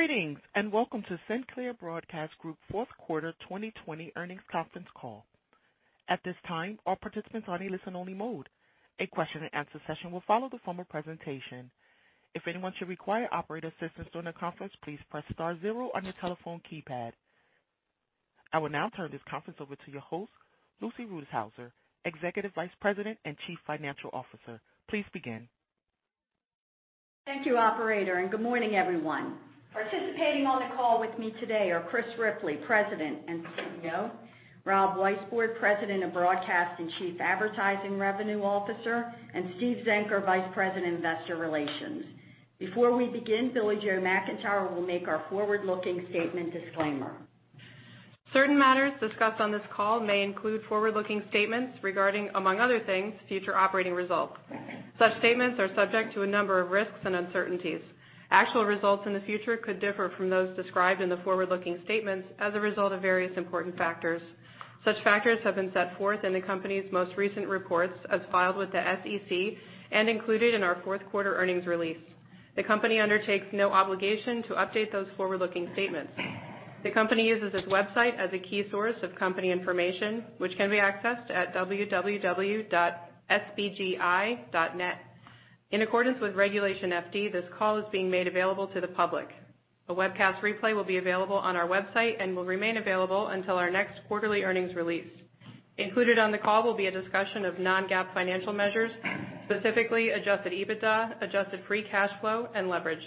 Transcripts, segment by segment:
Greetings, welcome to Sinclair Broadcast Group fourth quarter 2020 earnings conference call. At this time, all participants are in a listen only mode. A question-and-answer session will follow the formal presentation. If anyone should require operator assistance during the conference, please press star zero on your telephone keypad. I will now turn this conference over to your host, Lucy Rutishauser, Executive Vice President and Chief Financial Officer. Please begin. Thank you, Operator. Good morning, everyone. Participating on the call with me today are Chris Ripley, President and CEO, Rob Weisbord, President of Broadcast and Chief Advertising Revenue Officer, and Steve Zenker, Vice President, Investor Relations. Before we begin, Billie-Jo McIntire will make our forward-looking statement disclaimer. Certain matters discussed on this call may include forward-looking statements regarding, among other things, future operating results. Such statements are subject to a number of risks and uncertainties. Actual results in the future could differ from those described in the forward-looking statements as a result of various important factors. Such factors have been set forth in the company's most recent reports as filed with the SEC and included in our fourth quarter earnings release. The company undertakes no obligation to update those forward-looking statements. The company uses its website as a key source of company information, which can be accessed at www.sbgi.net. In accordance with Regulation FD, this call is being made available to the public. A webcast replay will be available on our website and will remain available until our next quarterly earnings release. Included on the call will be a discussion of non-GAAP financial measures, specifically adjusted EBITDA, adjusted free cash flow, and leverage.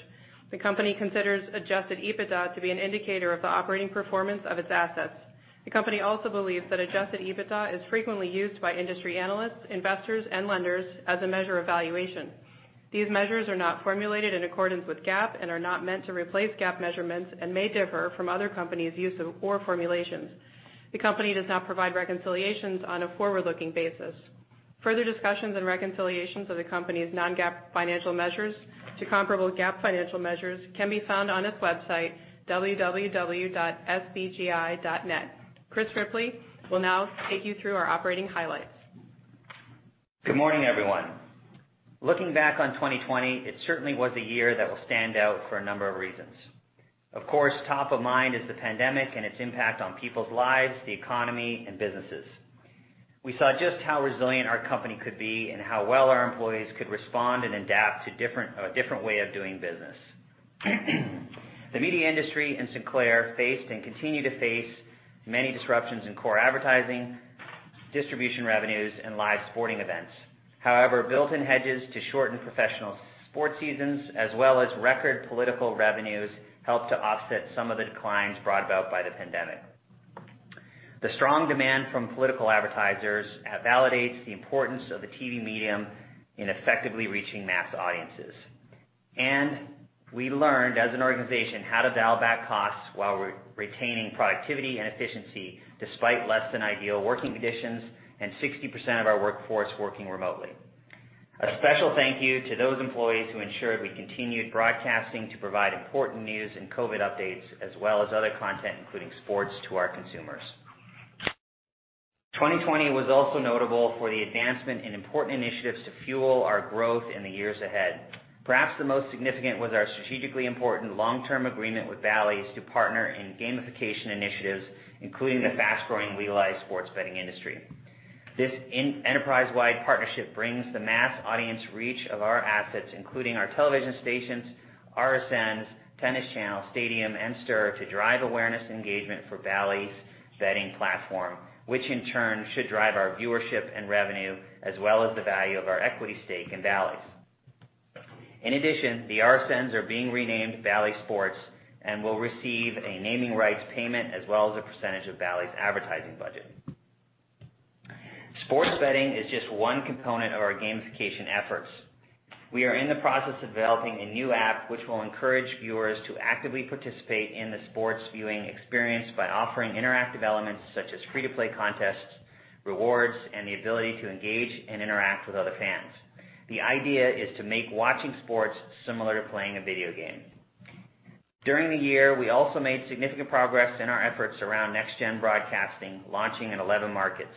The company considers adjusted EBITDA to be an indicator of the operating performance of its assets. The company also believes that adjusted EBITDA is frequently used by industry analysts, investors, and lenders as a measure of valuation. These measures are not formulated in accordance with GAAP and are not meant to replace GAAP measurements and may differ from other companies' use of or formulations. The company does not provide reconciliations on a forward-looking basis. Further discussions and reconciliations of the company's non-GAAP financial measures to comparable GAAP financial measures can be found on its website, www.sbgi.net. Chris Ripley will now take you through our operating highlights. Good morning, everyone. Looking back on 2020, it certainly was a year that will stand out for a number of reasons. Of course, top of mind is the pandemic and its impact on people's lives, the economy, and businesses. We saw just how resilient our company could be and how well our employees could respond and adapt to a different way of doing business. The media industry and Sinclair faced and continue to face many disruptions in core advertising, distribution revenues, and live sporting events. However, built-in hedges to shorten professional sports seasons as well as record political revenues helped to offset some of the declines brought about by the pandemic. The strong demand from political advertisers validates the importance of the TV medium in effectively reaching mass audiences. We learned, as an organization, how to dial back costs while retaining productivity and efficiency, despite less than ideal working conditions and 60% of our workforce working remotely. A special thank you to those employees who ensured we continued broadcasting to provide important news and COVID updates, as well as other content, including sports to our consumers. 2020 was also notable for the advancement in important initiatives to fuel our growth in the years ahead. Perhaps the most significant was our strategically important long-term agreement with Bally's to partner in gamification initiatives, including the fast-growing legal sports betting industry. This enterprise-wide partnership brings the mass audience reach of our assets, including our television stations, RSNs, Tennis Channel, Stadium, and STIRR, to drive awareness engagement for Bally's betting platform, which in turn should drive our viewership and revenue, as well as the value of our equity stake in Bally's. In addition, the RSNs are being renamed Bally Sports and will receive a naming rights payment as well as a percentage of Bally's advertising budget. Sports betting is just one component of our gamification efforts. We are in the process of developing a new app which will encourage viewers to actively participate in the sports viewing experience by offering interactive elements such as free-to-play contests, rewards, and the ability to engage and interact with other fans. The idea is to make watching sports similar to playing a video game. During the year, we also made significant progress in our efforts around NEXTGEN broadcasting, launching in 11 markets.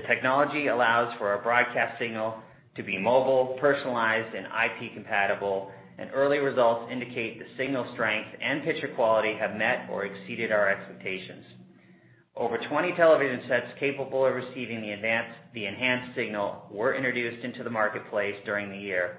The technology allows for our broadcast signal to be mobile, personalized, and IP compatible, and early results indicate the signal strength and picture quality have met or exceeded our expectations. Over 20 television sets capable of receiving the enhanced signal were introduced into the marketplace during the year.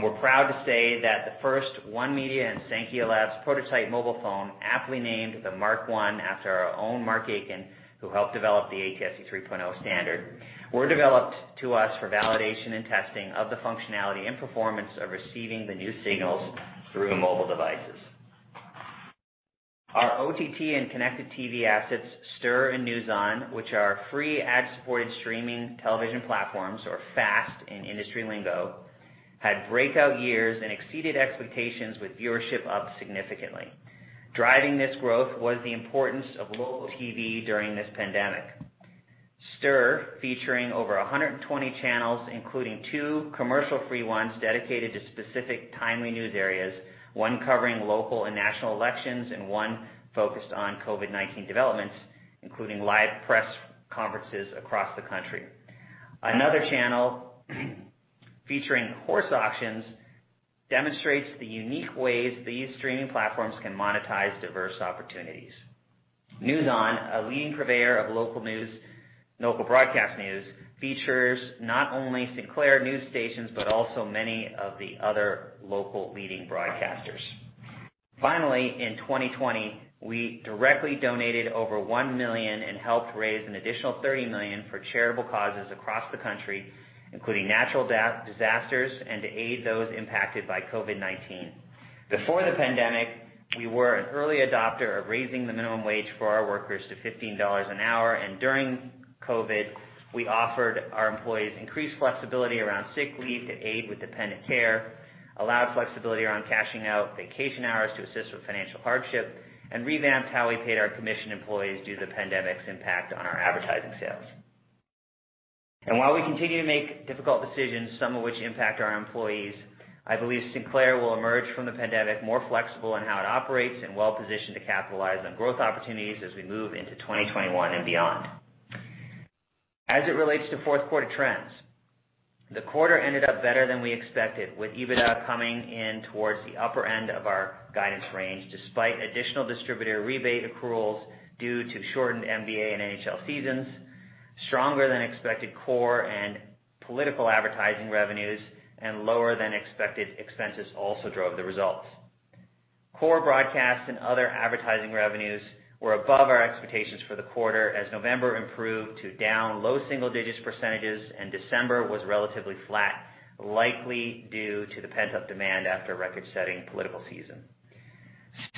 We're proud to say that the first ONE Media and Saankhya Labs prototype mobile phone, aptly named the Mark One after our own Mark Aitken, who helped develop the ATSC 3.0 standard, were developed to us for validation and testing of the functionality and performance of receiving the new signals through mobile devices. Our OTT and connected TV assets, STIRR and NewsON, which are Free Ad-supported Streaming Television platforms or FAST in industry lingo, had breakout years and exceeded expectations with viewership up significantly. Driving this growth was the importance of local TV during this pandemic. STIRR, featuring over 120 channels, including two commercial-free ones dedicated to specific timely news areas, one covering local and national elections and one focused on COVID-19 developments, including live press conferences across the country. Another channel featuring horse auctions demonstrates the unique ways these streaming platforms can monetize diverse opportunities. NewsON, a leading purveyor of local broadcast news, features not only Sinclair news stations but also many of the other local leading broadcasters. Finally, in 2020, we directly donated over $1 million and helped raise an additional $30 million for charitable causes across the country, including natural disasters and to aid those impacted by COVID-19. Before the pandemic, we were an early adopter of raising the minimum wage for our workers to $15 an hour, and during COVID, we offered our employees increased flexibility around sick leave to aid with dependent care, allowed flexibility around cashing out vacation hours to assist with financial hardship, and revamped how we paid our commissioned employees due to the pandemic's impact on our advertising sales. While we continue to make difficult decisions, some of which impact our employees, I believe Sinclair will emerge from the pandemic more flexible in how it operates and well-positioned to capitalize on growth opportunities as we move into 2021 and beyond. As it relates to fourth quarter trends, the quarter ended up better than we expected, with EBITDA coming in towards the upper end of our guidance range, despite additional distributor rebate accruals due to shortened NBA and NHL seasons. Stronger than expected core and political advertising revenues and lower than expected expenses also drove the results. Core broadcast and other advertising revenues were above our expectations for the quarter as November improved to down low single-digit percent, and December was relatively flat, likely due to the pent-up demand after a record-setting political season.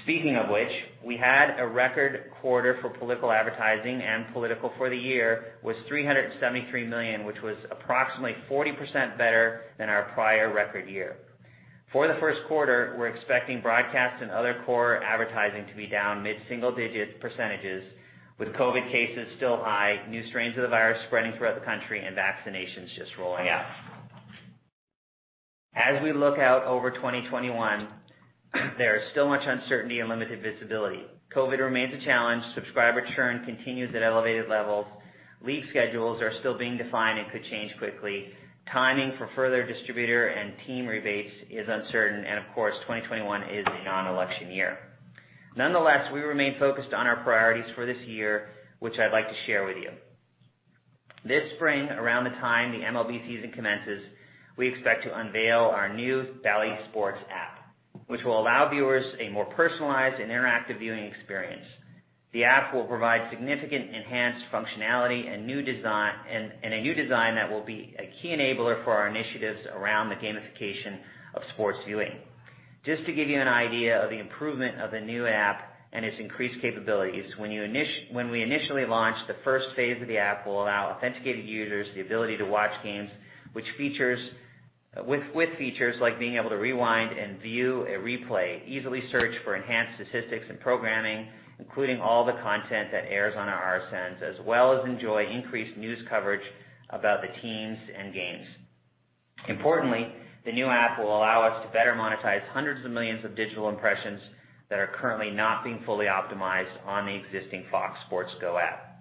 Speaking of which, we had a record quarter for political advertising, political for the year was $373 million, which was approximately 40% better than our prior record year. For the first quarter, we're expecting broadcast and other core advertising to be down mid-single digit percentages with COVID cases still high, new strains of the virus spreading throughout the country, and vaccinations just rolling out. As we look out over 2021, there is still much uncertainty and limited visibility. COVID remains a challenge. Subscriber churn continues at elevated levels. Leage schedules are still being defined and could change quickly. Timing for further distributor and team rebates is uncertain, and of course, 2021 is a non-election year. Nonetheless, we remain focused on our priorities for this year, which I'd like to share with you. This spring, around the time the MLB season commences, we expect to unveil our new Bally Sports app, which will allow viewers a more personalized and interactive viewing experience. The app will provide significant enhanced functionality and a new design that will be a key enabler for our initiatives around the gamification of sports viewing. Just to give you an idea of the improvement of the new app and its increased capabilities, when we initially launch, the first phase of the app will allow authenticated users the ability to watch games with features like being able to rewind and view a replay, easily search for enhanced statistics and programming, including all the content that airs on our RSNs, as well as enjoy increased news coverage about the teams and games. Importantly, the new app will allow us to better monetize hundreds of millions of digital impressions that are currently not being fully optimized on the existing Fox Sports Go app.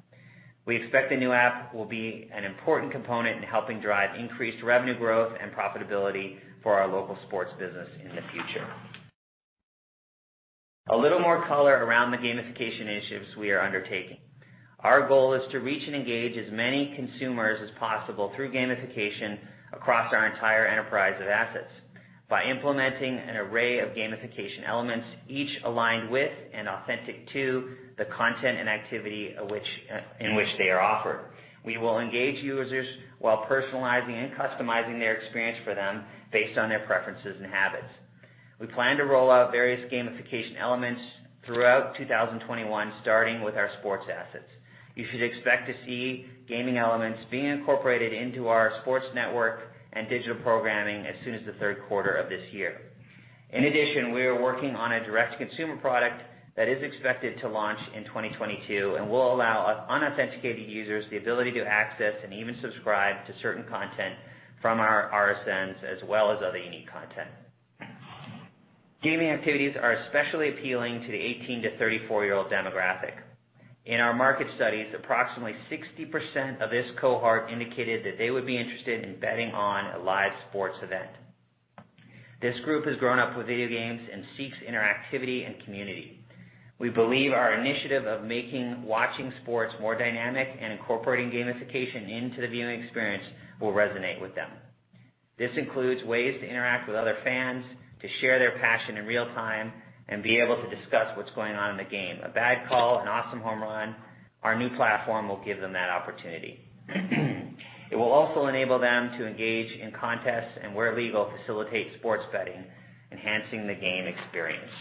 We expect the new app will be an important component in helping drive increased revenue growth and profitability for our Local Sports business in the future. A little more color around the gamification initiatives we are undertaking. Our goal is to reach and engage as many consumers as possible through gamification across our entire enterprise of assets by implementing an array of gamification elements, each aligned with and authentic to the content and activity in which they are offered. We will engage users while personalizing and customizing their experience for them based on their preferences and habits. We plan to roll out various gamification elements throughout 2021, starting with our sports assets. You should expect to see gaming elements being incorporated into our sports network and digital programming as soon as the third quarter of this year. In addition, we are working on a direct-to-consumer product that is expected to launch in 2022 and will allow unauthenticated users the ability to access and even subscribe to certain content from our RSNs, as well as other unique content. Gaming activities are especially appealing to the 18-34 year-old demographic. In our market studies, approximately 60% of this cohort indicated that they would be interested in betting on a live sports event. This group has grown up with video games and seeks interactivity and community. We believe our initiative of making watching sports more dynamic and incorporating gamification into the viewing experience will resonate with them. This includes ways to interact with other fans, to share their passion in real time, and be able to discuss what's going on in the game. A bad call, an awesome home run, our new platform will give them that opportunity. It will also enable them to engage in contests and, where legal, facilitate sports betting, enhancing the game experience.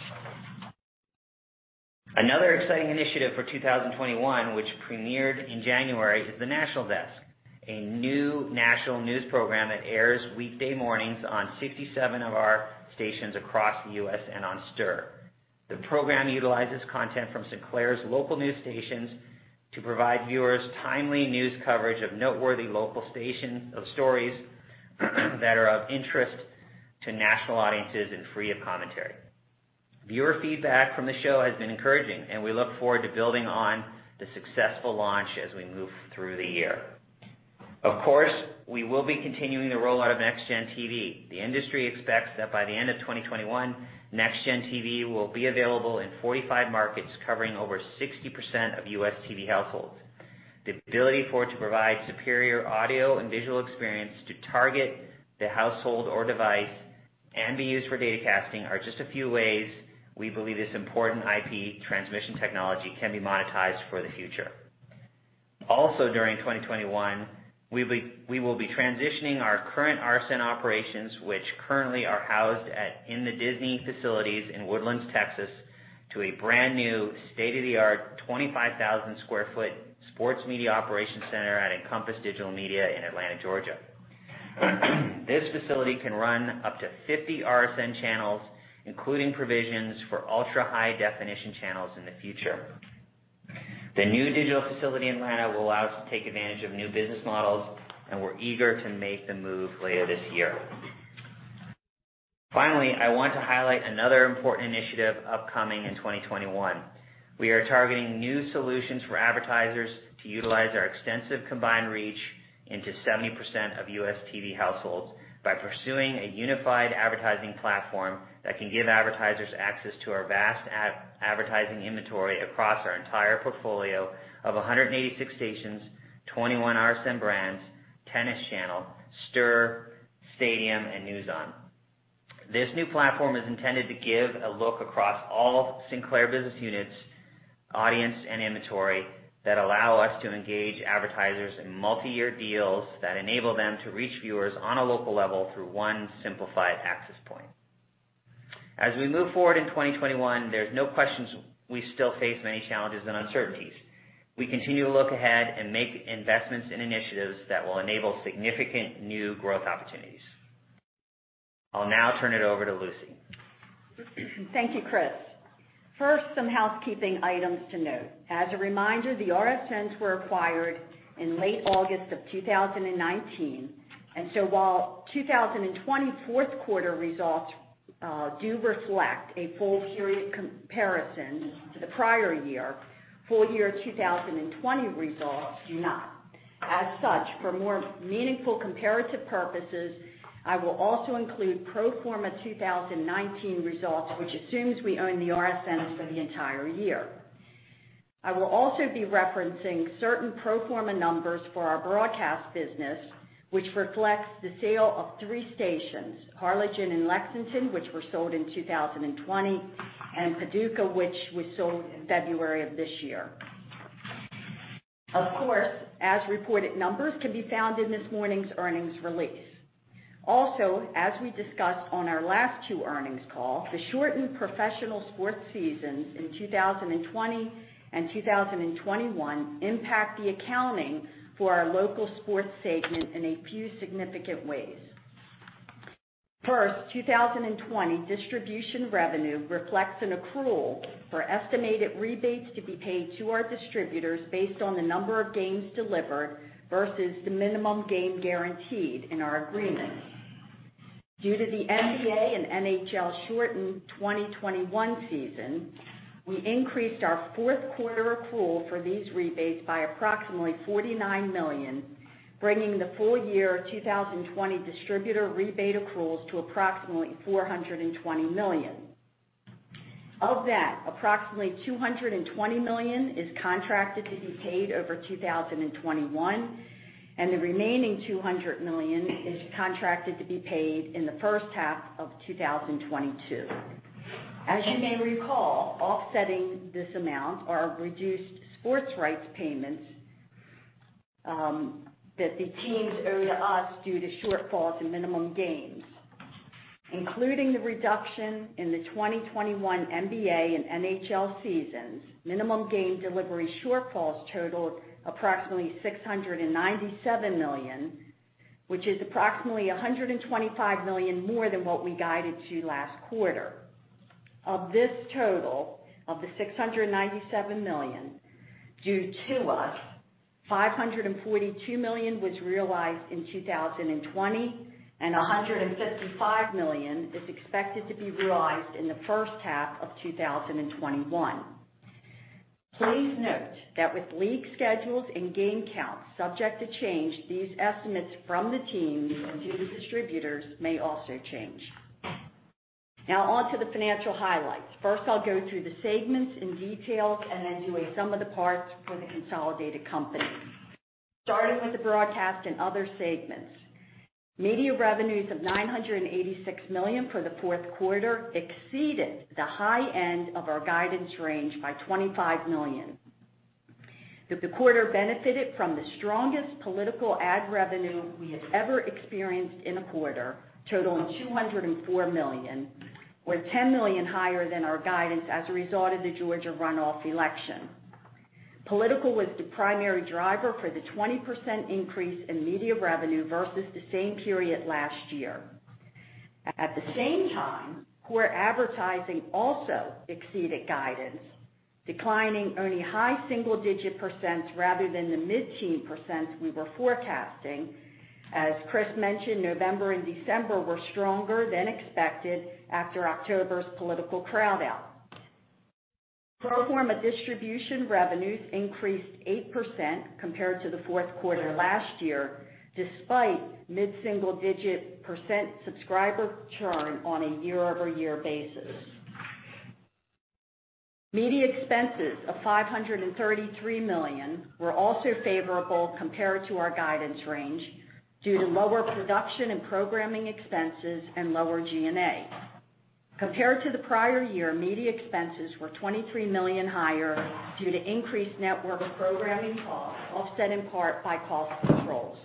Another exciting initiative for 2021, which premiered in January, is The National Desk, a new national news program that airs weekday mornings on 67 of our stations across the U.S. and on STIRR. The program utilizes content from Sinclair's local news stations to provide viewers timely news coverage of noteworthy local stories that are of interest to national audiences and free of commentary. Viewer feedback from the show has been encouraging, and we look forward to building on the successful launch as we move through the year. Of course, we will be continuing the rollout of NEXTGEN TV. The industry expects that by the end of 2021, NEXTGEN TV will be available in 45 markets, covering over 60% of U.S. TV households. The ability for it to provide superior audio and visual experience to target the household or device and be used for data casting are just a few ways we believe this important IP transmission technology can be monetized for the future. Also during 2021, we will be transitioning our current RSN operations, which currently are housed in the Disney facilities in The Woodlands, Texas, to a brand-new, state-of-the-art 25,000 sq ft Sports Media Operations Center at Encompass Digital Media in Atlanta, Georgia. This facility can run up to 50 RSN channels, including provisions for ultra-high definition channels in the future. The new digital facility in Atlanta will allow us to take advantage of new business models, and we're eager to make the move later this year. Finally, I want to highlight another important initiative upcoming in 2021. We are targeting new solutions for advertisers to utilize our extensive combined reach into 70% of U.S. TV households by pursuing a unified advertising platform that can give advertisers access to our vast advertising inventory across our entire portfolio of 186 stations, 21 RSN brands, Tennis Channel, STIRR, Stadium, and NewsON. This new platform is intended to give a look across all Sinclair business units, audience, and inventory that allow us to engage advertisers in multi-year deals that enable them to reach viewers on a local level through one simplified access point. As we move forward in 2021, there's no question we still face many challenges and uncertainties. We continue to look ahead and make investments in initiatives that will enable significant new growth opportunities. I'll now turn it over to Lucy. Thank you, Chris. First, some housekeeping items to note. As a reminder, the RSNs were acquired in late August of 2019, and so while 2020 fourth quarter results do reflect a full period comparison to the prior year, full year 2020 results do not. As such, for more meaningful comparative purposes, I will also include pro forma 2019 results, which assumes we own the RSNs for the entire year. I will also be referencing certain pro forma numbers for our Broadcast business, which reflects the sale of three stations, Harlingen and Lexington, which were sold in 2020, and Paducah, which was sold in February of this year. Of course, as-reported numbers can be found in this morning's earnings release. As we discussed on our last two earnings calls, the shortened professional sports seasons in 2020 and 2021 impact the accounting for our Local Sports segment in a few significant ways. First, 2020 distribution revenue reflects an accrual for estimated rebates to be paid to our distributors based on the number of games delivered versus the minimum game guaranteed in our agreement. Due to the NBA and NHL's shortened 2020-2021 season, we increased our fourth quarter accrual for these rebates by approximately $49 million, bringing the full year 2020 distributor rebate accruals to approximately $420 million. Of that, approximately $220 million is contracted to be paid over 2021, and the remaining $200 million is contracted to be paid in the first half of 2022. As you may recall, offsetting this amount are reduced sports rights payments that the teams owe to us due to shortfalls in minimum games. Including the reduction in the 2020-2021 NBA and NHL seasons, minimum game delivery shortfalls totaled approximately $697 million, which is approximately $125 million more than what we guided to last quarter. Of this total, of the $697 million due to us, $542 million was realized in 2020, and $155 million is expected to be realized in the first half of 2021. Please note that with league schedules and game counts subject to change, these estimates from the teams to the distributors may also change. On to the financial highlights. I'll go through the segments in detail and then do a sum of the parts for the consolidated company. Starting with the Broadcast and Other segments. Media revenues of $986 million for the fourth quarter exceeded the high end of our guidance range by $25 million. The quarter benefited from the strongest political ad revenue we have ever experienced in a quarter, totaling $204 million, or $10 million higher than our guidance as a result of the Georgia runoff election. Political was the primary driver for the 20% increase in media revenue versus the same period last year. At the same time, core advertising also exceeded guidance. Declining only high single-digit percent rather than the mid-teen percent we were forecasting. As Chris mentioned, November and December were stronger than expected after October's political crowd out. Pro forma distribution revenues increased 8% compared to the fourth quarter last year, despite mid-single-digit percent subscriber churn on a year-over-year basis. Media expenses of $533 million were also favorable compared to our guidance range due to lower production and programming expenses and lower G&A. Compared to the prior year, media expenses were $23 million higher due to increased network programming costs, offset in part by cost controls.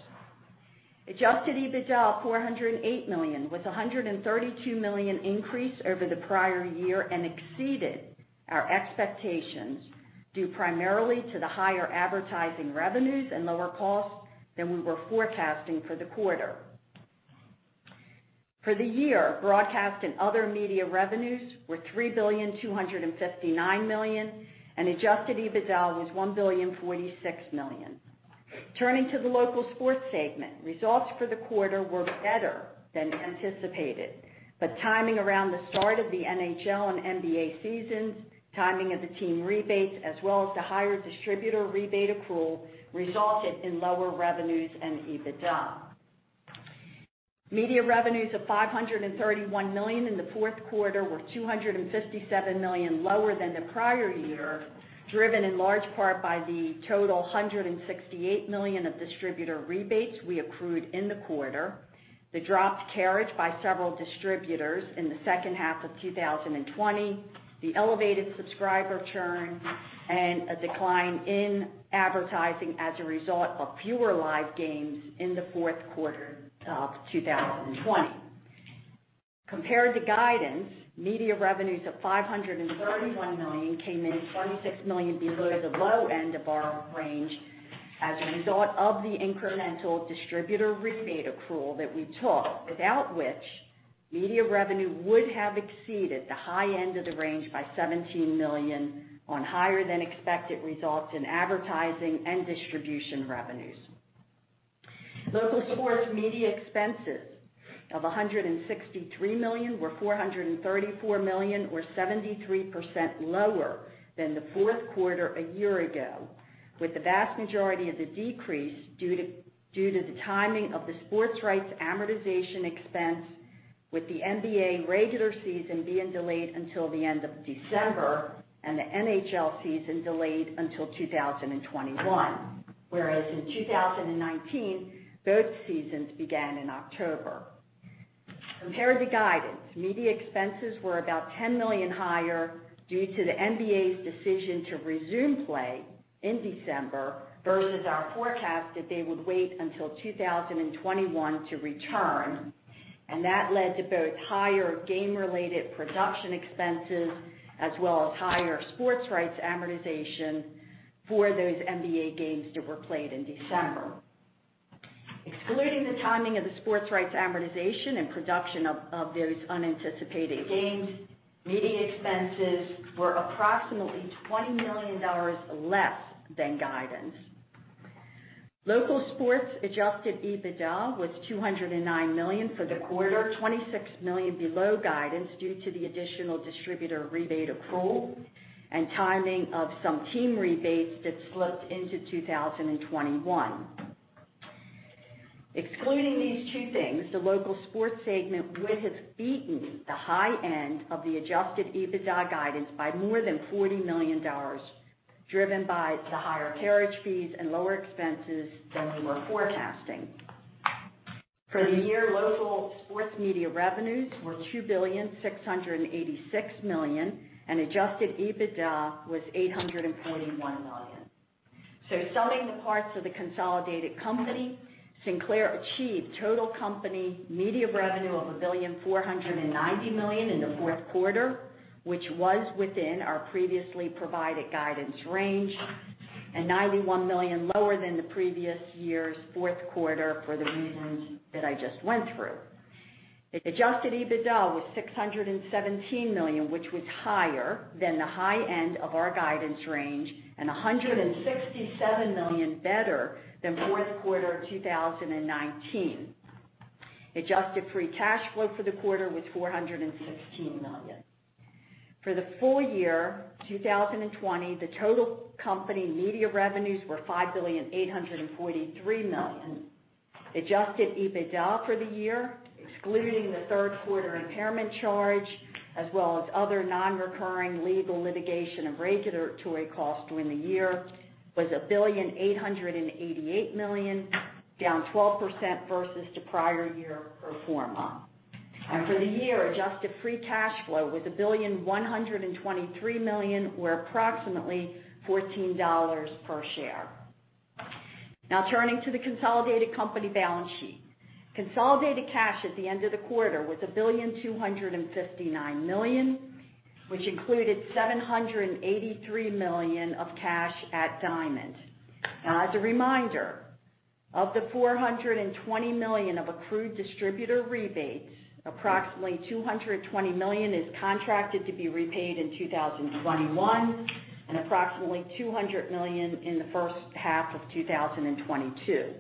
Adjusted EBITDA, $408 million, with $132 million increase over the prior year and exceeded our expectations, due primarily to the higher advertising revenues and lower costs than we were forecasting for the quarter. For the year, broadcast and other media revenues were $3,259,000,000, and adjusted EBITDA was $1,046,000,000. Turning to the Local Sports segment, results for the quarter were better than anticipated, but timing around the start of the NHL and NBA seasons, timing of the team rebates, as well as the higher distributor rebate accrual, resulted in lower revenues and EBITDA. Media revenues of $531 million in the fourth quarter were $257 million lower than the prior year, driven in large part by the total $168 million of distributor rebates we accrued in the quarter, the dropped carriage by several distributors in the second half of 2020, the elevated subscriber churn, and a decline in advertising as a result of fewer live games in the fourth quarter of 2020. Compared to guidance, media revenues of $531 million came in $26 million below the low end of our range as a result of the incremental distributor rebate accrual that we took, without which media revenue would have exceeded the high end of the range by $17 million on higher than expected results in advertising and distribution revenues. Local Sports media expenses of $163 million were $434 million, or 73% lower than the fourth quarter a year ago, with the vast majority of the decrease due to the timing of the sports rights amortization expense with the NBA regular season being delayed until the end of December and the NHL season delayed until 2021. Whereas in 2019, both seasons began in October. Compared to guidance, media expenses were about $10 million higher due to the NBA's decision to resume play in December versus our forecast that they would wait until 2021 to return. That led to both higher game-related production expenses as well as higher sports rights amortization for those NBA games that were played in December. Excluding the timing of the sports rights amortization and production of those unanticipated games, media expenses were approximately $20 million less than guidance. Local Sports adjusted EBITDA was $209 million for the quarter, $26 million below guidance due to the additional distributor rebate accrual and timing of some team rebates that slipped into 2021. Excluding these two things, the Local Sports segment would have beaten the high end of the adjusted EBITDA guidance by more than $40 million, driven by the higher carriage fees and lower expenses than we were forecasting. For the year, Local Sports media revenues were $2,686,000,000, and adjusted EBITDA was $841 million. Summing the parts of the consolidated company, Sinclair achieved total company media revenue of $1,490,000,000 in the fourth quarter, which was within our previously provided guidance range and $91 million lower than the previous year's fourth quarter for the reasons that I just went through. Adjusted EBITDA was $617 million, which was higher than the high end of our guidance range and $167 million better than fourth quarter 2019. Adjusted free cash flow for the quarter was $416 million. For the full year 2020, the total company media revenues were $5,843,000,000. Adjusted EBITDA for the year, excluding the third quarter impairment charge, as well as other non-recurring legal, litigation and regulatory costs during the year, was $1,888,000,000, down 12% versus the prior year pro forma. For the year, adjusted free cash flow was $1,123,000,000, or approximately $14 per share. Turning to the consolidated company balance sheet. Consolidated cash at the end of the quarter was $1,259,000,000, which included $783 million of cash at Diamond. Now, as a reminder of the $420 million of accrued distributor rebates, approximately $220 million is contracted to be repaid in 2021, and approximately $200 million in the first half of 2022.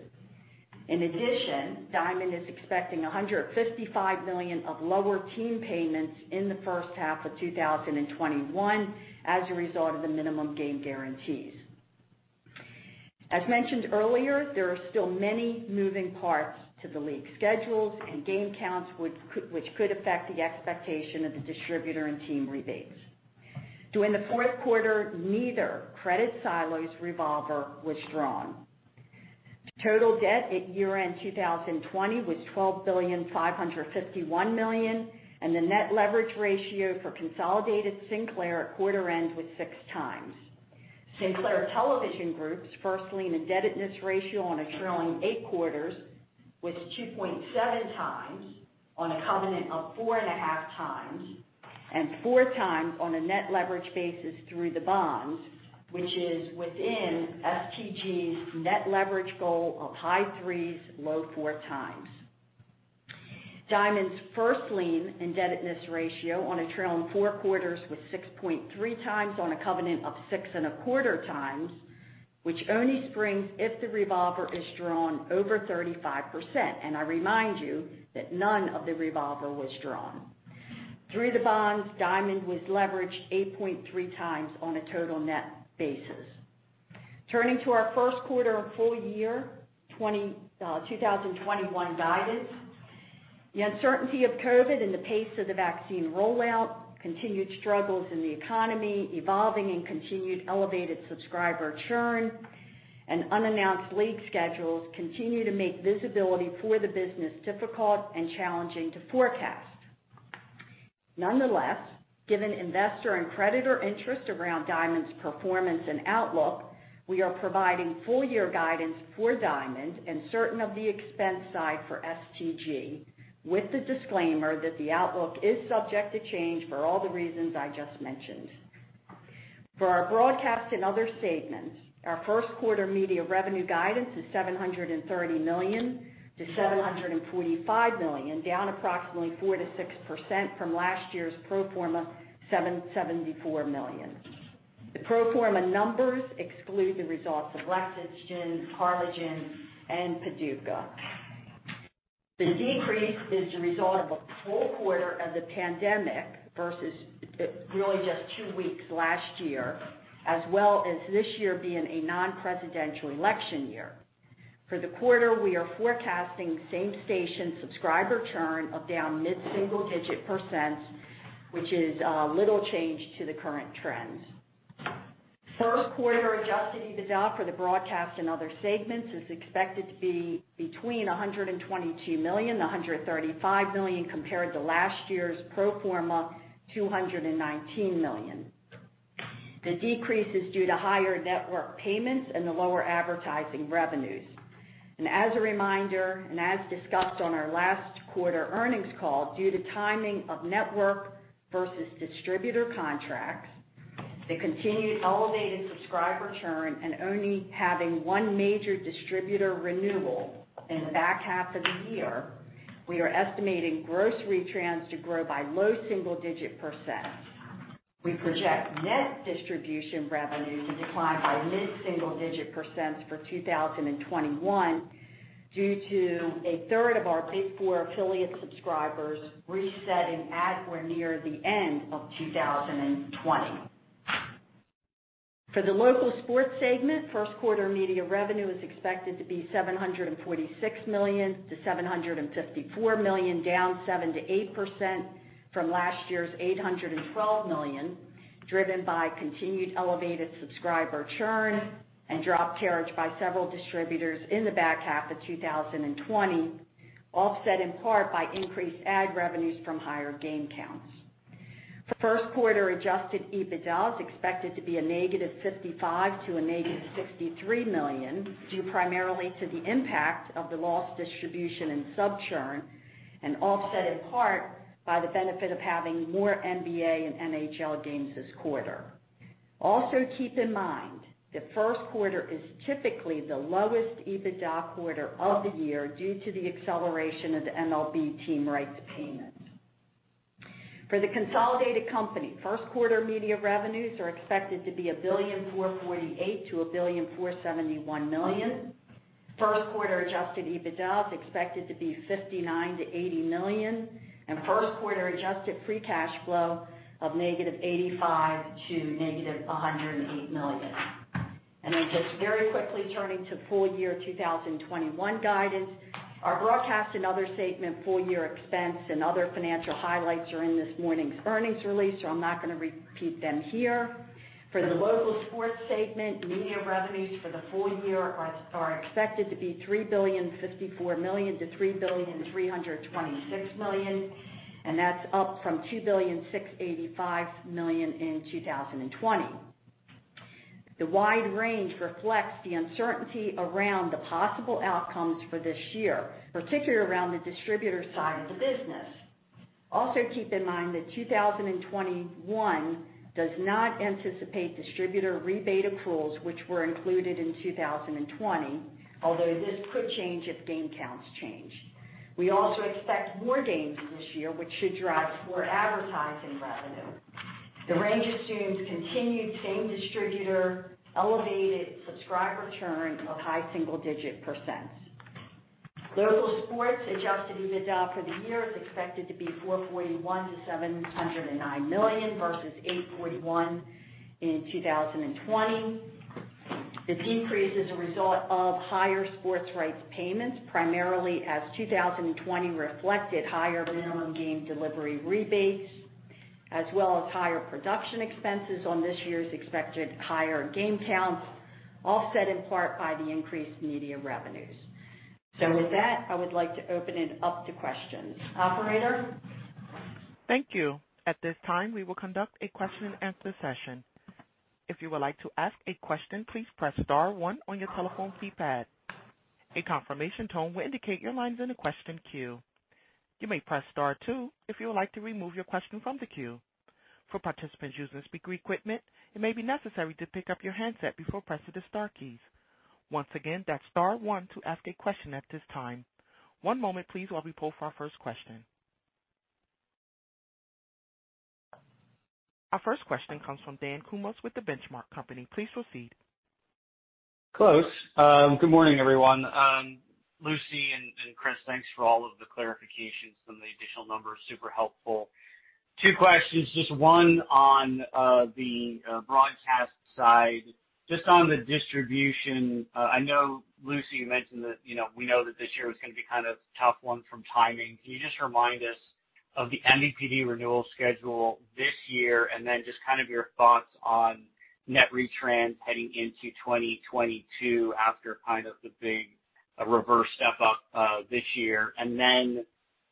In addition, Diamond is expecting $155 million of lower team payments in the first half of 2021 as a result of the minimum game guarantees. As mentioned earlier, there are still many moving parts to the league schedules and game counts, which could affect the expectation of the distributor and team rebates. During the fourth quarter, neither credit silos revolver was drawn. Total debt at year-end 2020 was $12,551,000,000, and the net leverage ratio for consolidated Sinclair at quarter end was 6x. Sinclair Television Group's first lien indebtedness ratio on a trailing eight quarters was 2.7x on a covenant of 4.5x, and 4x on a net leverage basis through the bonds, which is within STG's net leverage goal of high threes, low 4x. Diamond's first lien indebtedness ratio on a trailing four quarters was 6.3x on a covenant of 6.25x, which only springs if the revolver is drawn over 35%, and I remind you that none of the revolver was drawn. Through the bonds, Diamond was leveraged 8.3x on a total net basis. Turning to our first quarter and full year 2021 guidance. The uncertainty of COVID and the pace of the vaccine rollout, continued struggles in the economy, evolving and continued elevated subscriber churn, and unannounced league schedules continue to make visibility for the business difficult and challenging to forecast. Nonetheless, given investor and creditor interest around Diamond's performance and outlook, we are providing full year guidance for Diamond and certain of the expense side for STG, with the disclaimer that the outlook is subject to change for all the reasons I just mentioned. For our Broadcast and Other segments, our first quarter media revenue guidance is $730 million-$745 million, down approximately 4%-6% from last year's pro forma $774 million. The pro forma numbers exclude the results of Lexington, Harlingen, and Paducah. The decrease is the result of a full quarter of the pandemic versus really just two weeks last year, as well as this year being a non-presidential election year. For the quarter, we are forecasting same station subscriber churn of down mid-single digit percent, which is little change to the current trends. First quarter adjusted EBITDA for the Broadcast and Other segments is expected to be between $122 million-$135 million compared to last year's pro forma $219 million. The decrease is due to higher network payments and the lower advertising revenues. As a reminder, and as discussed on our last quarter earnings call, due to timing of network versus distributor contracts, the continued elevated subscriber churn and only having one major distributor renewal in the back half of the year, we are estimating gross retrans to grow by low single digit percent. We project net distribution revenue to decline by mid-single digit percent for 2021 due to a third of our big four affiliate subscribers resetting at or near the end of 2020. For the Local Sports segment, first quarter media revenue is expected to be $746 million-$754 million, down 7%-8% from last year's $812 million, driven by continued elevated subscriber churn and dropped carriage by several distributors in the back half of 2020, offset in part by increased ad revenues from higher game counts. First quarter adjusted EBITDA is expected to be a -$55 million to -$63 million, due primarily to the impact of the lost distribution and sub churn, and offset in part by the benefit of having more NBA and NHL games this quarter. Also, keep in mind that first quarter is typically the lowest EBITDA quarter of the year due to the acceleration of the MLB team rights payments. For the consolidated company, first quarter media revenues are expected to be $1,448,000,000-$1,471,000,000. First quarter adjusted EBITDA is expected to be $59 million-$80 million, and first quarter adjusted free cash flow of -$85 million to -$108 million. Just very quickly turning to full year 2021 guidance. Our Broadcast and Other segment full-year expense and other financial highlights are in this morning's earnings release, so I'm not going to repeat them here. For the Local Sports segment, media revenues for the full year are expected to be $3,054,000,000-$3,326,000,000, and that's up from $2,685,000,000 in 2020. The wide range reflects the uncertainty around the possible outcomes for this year, particularly around the distributor side of the business. Keep in mind that 2021 does not anticipate distributor rebate accruals, which were included in 2020, although this could change if game counts change. We also expect more games this year, which should drive more advertising revenue. The range assumes continued same distributor, elevated subscriber churn of high single-digit percent. Local sports adjusted EBITDA for the year is expected to be $441 million-$709 million, versus $841 million in 2020. This decrease is a result of higher sports rights payments, primarily as 2020 reflected higher minimum game delivery rebates, as well as higher production expenses on this year's expected higher game counts, offset in part by the increased media revenues. With that, I would like to open it up to questions. Operator? Thank you. At this time, we will conduct a question-and-answer session. If you would like to ask a question, please press star one on your telephone keypad. A confirmation tone will indicate your line is in the question queue. You may press star two if you would like to remove your question from the queue. For participants using speaker equipment, it may be necessary to pick up your handset before pressing the star keys. Once again, that's star one to ask a question at this time. One moment please while we pull our first question. Our first question comes from Dan Kurnos with The Benchmark Company. Please proceed. Close. Good morning, everyone. Lucy and Chris, thanks for all of the clarifications on the additional numbers. Super helpful. Two questions, just one on the Broadcast side. Just on the distribution, I know, Lucy, you mentioned that we know that this year was going to be kind of a tough one from timing. Can you just remind us of the MVPD renewal schedule this year, and then just kind of your thoughts on net retrans heading into 2022 after kind of the big reverse step-up, this year?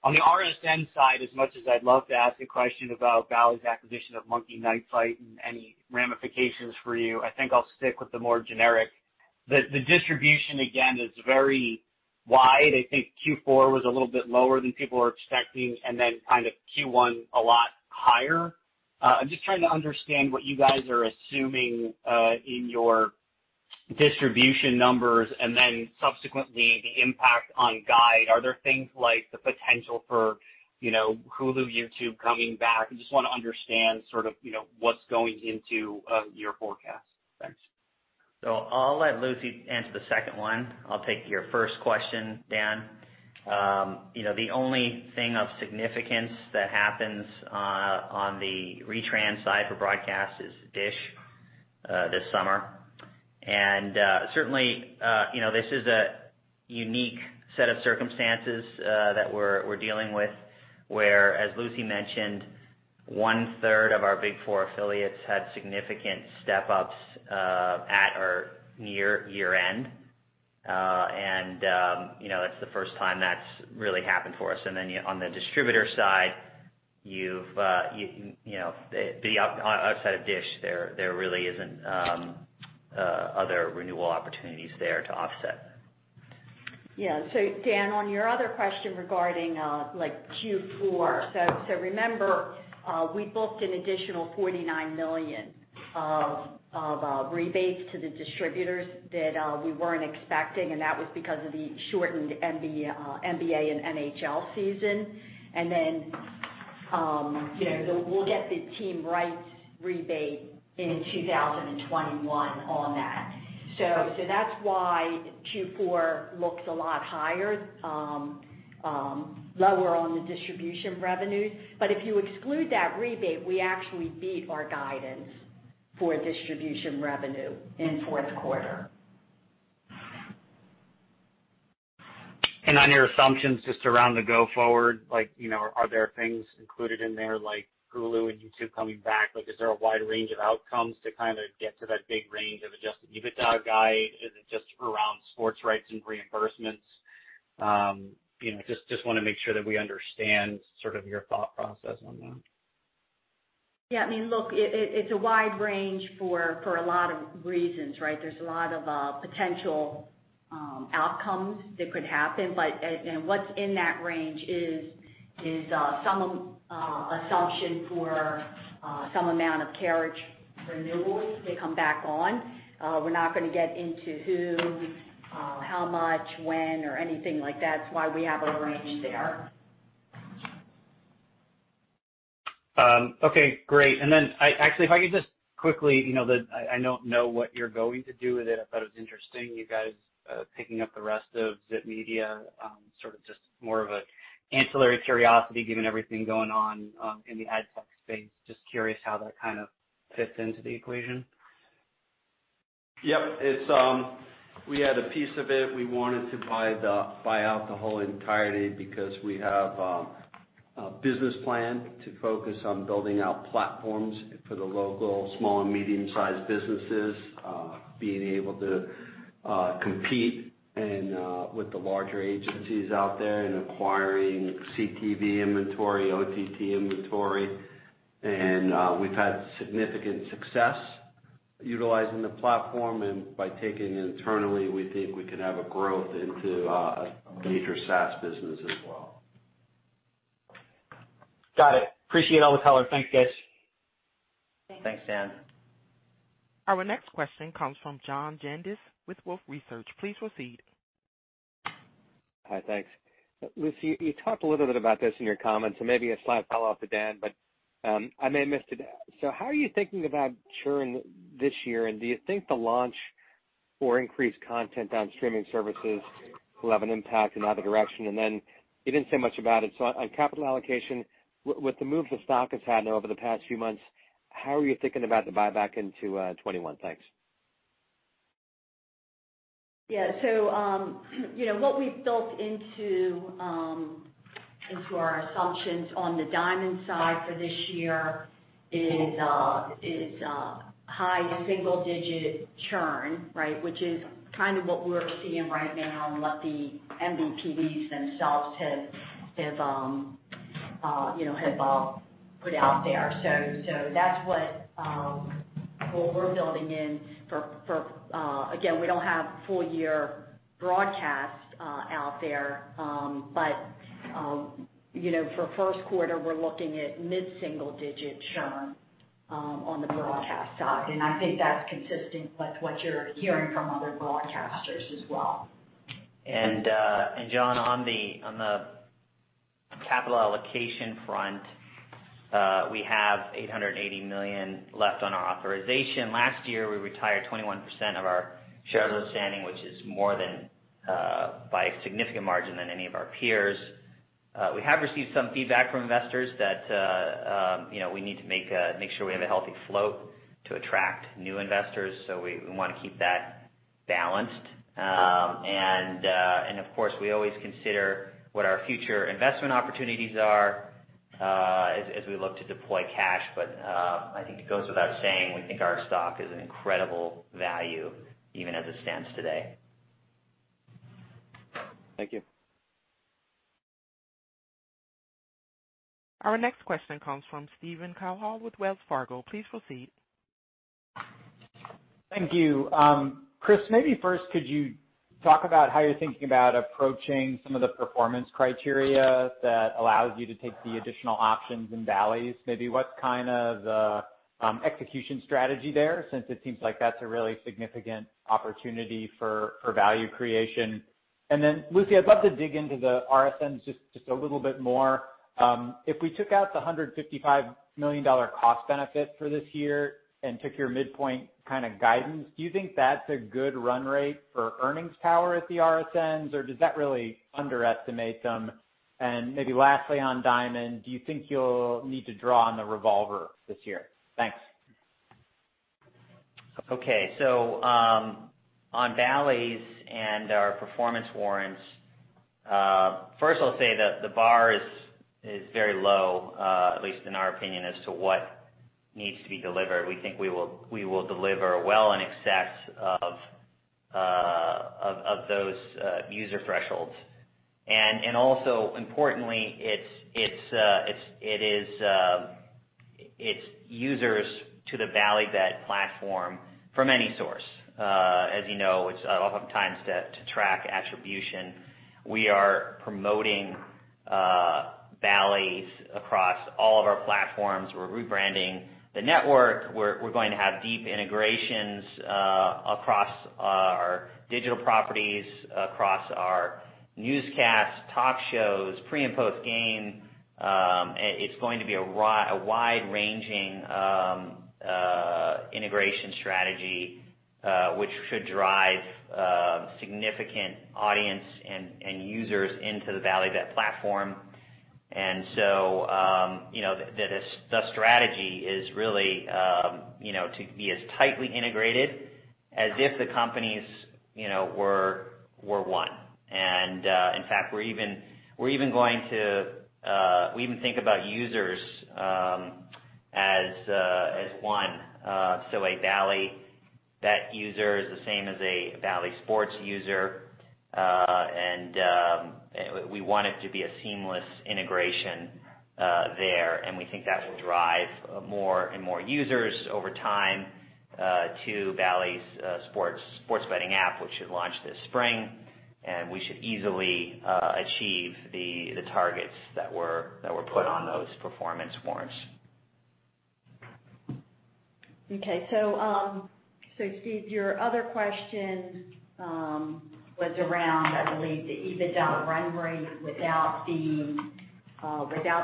On the RSN side, as much as I'd love to ask a question about Bally's acquisition of Monkey Knife Fight and any ramifications for you, I think I'll stick with the more generic. The distribution, again, is very wide. I think Q4 was a little bit lower than people were expecting, and then kind of Q1 a lot higher. I'm just trying to understand what you guys are assuming in your distribution numbers and then subsequently the impact on guide. Are there things like the potential for Hulu, YouTube coming back? I just want to understand sort of what's going into your forecast. Thanks. I'll let Lucy answer the second one. I'll take your first question, Dan. The only thing of significance that happens on the retrans side for Broadcast is DISH this summer. Certainly, this is a unique set of circumstances that we're dealing with, where, as Lucy mentioned, one-third of our big four affiliates had significant step-ups at or near year-end. It's the first time that's really happened for us. On the distributor side, outside of DISH, there really isn't other renewal opportunities there to offset. Yeah. Dan, on your other question regarding Q4, remember, we booked an additional $49 million of rebates to the distributors that we weren't expecting. That was because of the shortened NBA and NHL season. We'll get the team rights rebate in 2021 on that. That's why Q4 looks a lot higher, lower on the distribution revenues. If you exclude that rebate, we actually beat our guidance for distribution revenue in fourth quarter. On your assumptions, just around the go forward, are there things included in there like Hulu and YouTube coming back? Is there a wide range of outcomes to kind of get to that big range of adjusted EBITDA guide? Is it just around sports rights and reimbursements? Just want to make sure that we understand sort of your thought process on that. Yeah, I mean, look, it's a wide range for a lot of reasons, right? There's a lot of potential outcomes that could happen, but what's in that range is some assumption for some amount of carriage renewals to come back on. We're not going to get into who, how much, when, or anything like that. That's why we have a range there. Okay, great. Actually, I don't know what you're going to do with it. I thought it was interesting, you guys picking up the rest of ZypMedia. Sort of just more of a ancillary curiosity, given everything going on in the ad tech space. Just curious how that kind of fits into the equation. Yep. We had a piece of it. We wanted to buy out the whole entirety because we have a business plan to focus on building out platforms for the local small and medium-sized businesses, being able to compete with the larger agencies out there in acquiring CTV inventory, OTT inventory. We've had significant success. Utilizing the platform, and by taking it internally, we think we can have a growth into a major SaaS business as well. Got it. Appreciate all the color. Thanks, guys. Thanks. Thanks, Dan. Our next question comes from John Janedis with Wolfe Research. Please proceed. Hi, thanks. Lucy, you talked a little bit about this in your comments, maybe a slight follow-up to Dan, but I may have missed it. How are you thinking about churn this year? Do you think the launch or increased content on streaming services will have an impact in the other direction? You didn't say much about it, on capital allocation, with the move the stock has had now over the past few months, how are you thinking about the buyback into 2021? Thanks. What we've built into our assumptions on the Diamond side for this year is high single-digit churn, right? Which is kind of what we're seeing right now and what the MVPDs themselves have put out there. That's what we're building in again, we don't have full year broadcast out there. For first quarter, we're looking at mid-single digit churn on the Broadcast side. I think that's consistent with what you're hearing from other broadcasters as well. John, on the capital allocation front, we have $880 million left on our authorization. Last year, we retired 21% of our shares outstanding, which is more than, by a significant margin, than any of our peers. We have received some feedback from investors that we need to make sure we have a healthy float to attract new investors, so we want to keep that balanced. Of course, we always consider what our future investment opportunities are as we look to deploy cash. I think it goes without saying, we think our stock is an incredible value even as it stands today. Thank you. Our next question comes from Steven Cahall with Wells Fargo. Please proceed. Thank you. Chris, maybe first, could you talk about how you're thinking about approaching some of the performance criteria that allows you to take the additional options in Bally's? Maybe what's kind of execution strategy there, since it seems like that's a really significant opportunity for value creation. Then Lucy, I'd love to dig into the RSN just a little bit more. If we took out the $155 million cost benefit for this year and took your midpoint kind of guidance, do you think that's a good run rate for earnings power at the RSNs, or does that really underestimate them? Maybe lastly, on Diamond, do you think you'll need to draw on the revolver this year? Thanks. Okay. On Bally's and our performance warrants, first I'll say that the bar is very low, at least in our opinion, as to what needs to be delivered. We think we will deliver well in excess of those user thresholds. Also importantly, it's users to the Bally Bet platform from any source. As you know, it's oftentimes to track attribution. We are promoting Bally's across all of our platforms. We're rebranding the network. We're going to have deep integrations across our digital properties, across our newscast, talk shows, pre and post game. It's going to be a wide-ranging integration strategy, which should drive significant audience and users into the Bally Bet platform. The strategy is really to be as tightly integrated as if the companies were one. In fact, we even think about users as one. A Bally Bet user is the same as a Bally Sports user. We want it to be a seamless integration there, and we think that will drive more and more users over time to Bally Sports betting app, which should launch this spring. We should easily achieve the targets that were put on those performance warrants. Okay. Steve, your other question was around, I believe, the EBITDA run rate without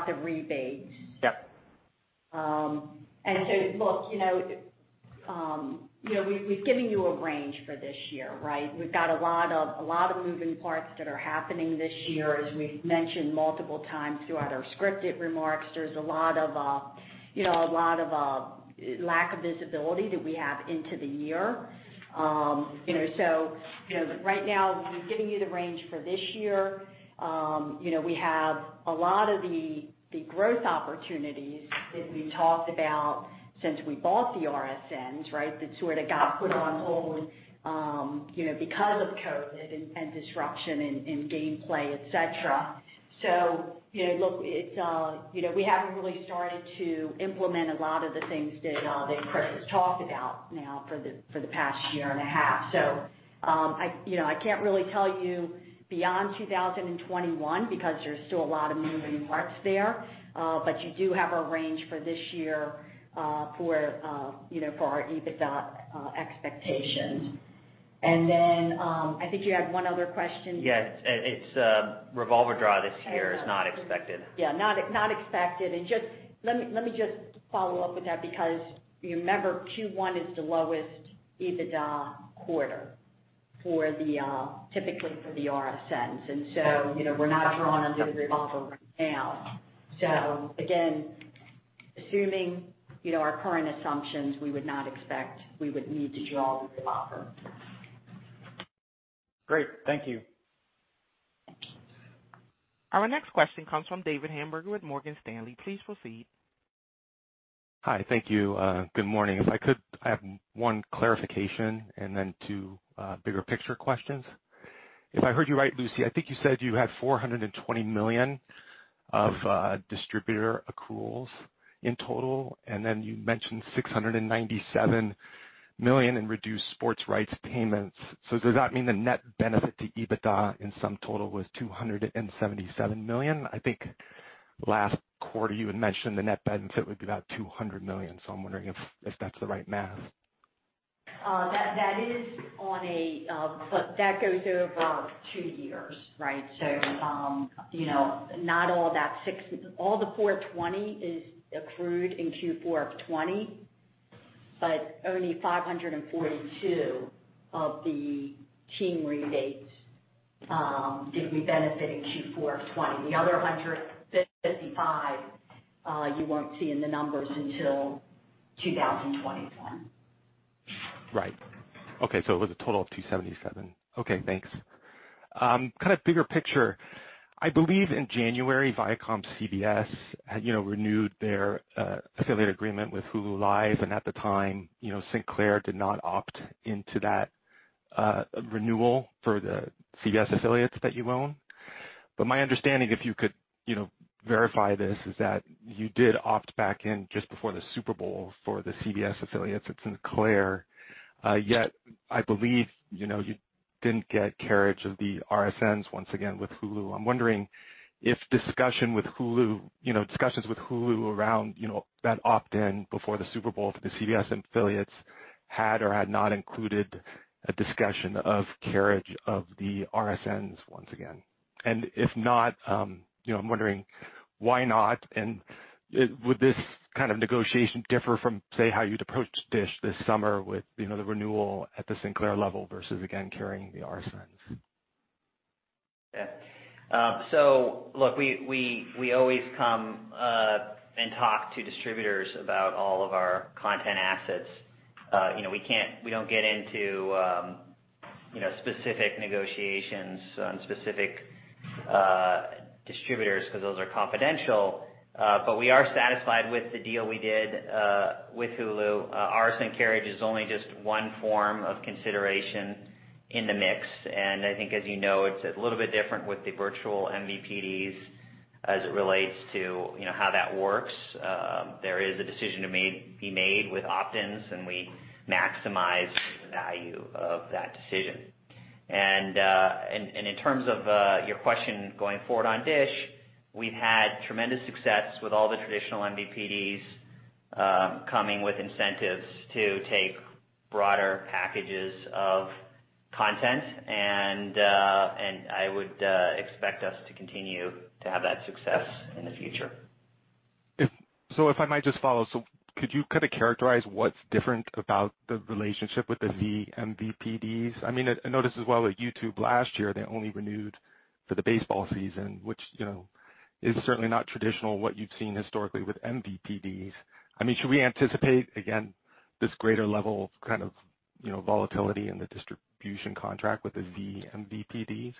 the rebates. Yep. Look, we've given you a range for this year, right? We've got a lot of moving parts that are happening this year. As we've mentioned multiple times throughout our scripted remarks, there's a lot of lack of visibility that we have into the year. Right now we've given you the range for this year. We have a lot of the growth opportunities that we talked about since we bought the RSNs, right? That sort of got put on hold because of COVID and disruption in gameplay, et cetera. Look, we haven't really started to implement a lot of the things that Chris has talked about now for the past year and a half. I can't really tell you beyond 2021 because there's still a lot of moving parts there. You do have a range for this year for our EBITDA expectations. I think you had one other question. Yes. Its revolver draw this year is not expected. Yeah. Not expected. Let me just follow-up with that, because remember, Q1 is the lowest EBITDA quarter, typically for the RSNs. We're not drawing under the revolver right now. Again, assuming our current assumptions, we would not expect we would need to draw the revolver. Great. Thank you. Thank you. Our next question comes from David Hamburger with Morgan Stanley. Please proceed. Hi. Thank you. Good morning. If I could, I have one clarification and then two bigger picture questions. If I heard you right, Lucy, I think you said you had $420 million of distributor accruals in total, and then you mentioned $697 million in reduced sports rights payments. Does that mean the net benefit to EBITDA in sum total was $277 million? I think last quarter you had mentioned the net benefit would be about $200 million. I'm wondering if that's the right math. That goes over two years. Right. All the $420 million is accrued in Q4 of 2020, but only $542 million of the team rebates, gave me benefit in Q4 of 2020. The other $155 million, you won't see in the numbers until 2021. Right. Okay. It was a total of $277 million. Okay, thanks. Kind of bigger picture. I believe in January, ViacomCBS renewed their affiliate agreement with Hulu + Live TV, and at the time, Sinclair did not opt into that renewal for the CBS affiliates that you own. My understanding, if you could verify this, is that you did opt back in just before the Super Bowl for the CBS affiliates at Sinclair. Yet, I believe you didn't get carriage of the RSNs once again with Hulu. I'm wondering if discussions with Hulu around that opt-in before the Super Bowl for the CBS affiliates had or had not included a discussion of carriage of the RSNs once again. If not, I'm wondering why not, and would this kind of negotiation differ from, say, how you'd approach DISH this summer with the renewal at the Sinclair level versus again, carrying the RSNs? Yeah. Look, we always come and talk to distributors about all of our content assets. We don't get into specific negotiations on specific distributors because those are confidential. We are satisfied with the deal we did with Hulu. RSN carriage is only just one form of consideration in the mix, and I think, as you know, it's a little bit different with the virtual MVPDs as it relates to how that works. There is a decision to be made with opt-ins, and we maximize the value of that decision. In terms of your question going forward on DISH, we've had tremendous success with all the traditional MVPDs coming with incentives to take broader packages of content. I would expect us to continue to have that success in the future. If I might just follow. Could you kind of characterize what's different about the relationship with the vMVPDs? I notice as well with YouTube last year, they only renewed for the baseball season, which is certainly not traditional, what you've seen historically with MVPDs. Should we anticipate, again, this greater level of volatility in the distribution contract with the vMVPDs?